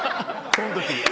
その時。